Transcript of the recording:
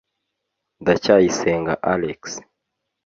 Ndacyayisenga Alex